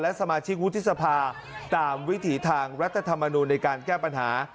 และสมาชิกวุฒิสภาตามวิถีทางรัฐธรรมนูลในการแก้ปัญหา